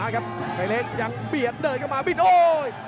ชายเล็กยังเบียดเดินกลับมาบิดโอ้ย